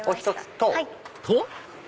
「と」？